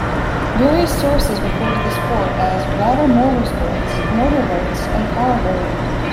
Various sources refer to the sport as "water motorsports", "motor boats", and "power boating".